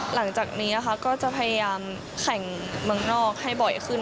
หลังจากนี้ก็จะพยายามแข่งเมืองนอกให้บ่อยขึ้น